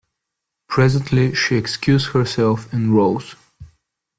Presently she excused herself and rose.